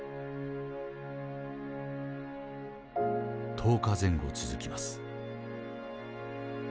１０日前後続きます。